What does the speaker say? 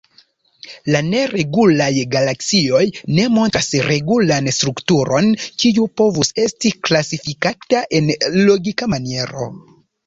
La neregulaj galaksioj ne montras regulan strukturon kiu povus esti klasifikata en logika maniero.